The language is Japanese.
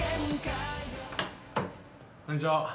こんにちは。